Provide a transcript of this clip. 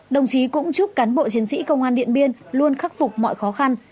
đồng chí cũng chúc cán bộ chiến sĩ công an điện biên luôn khắc phục mọi khó khăn